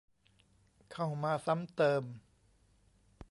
เข้ามาซ้ำเติม